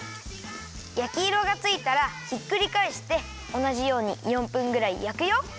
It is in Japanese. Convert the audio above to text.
やきいろがついたらひっくりかえしておなじように４分ぐらいやくよ。